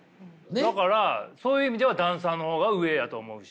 だからそういう意味ではダンサーの方が上やと思うし。